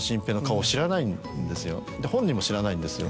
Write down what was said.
で本人も知らないんですよ。